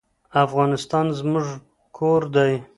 افغانستان زموږ کور دی.